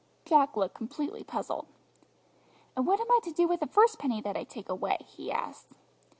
Jack looked completely puzzled. "And what am I do with the first penny that I take away?" he asked.